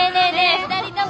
２人とも。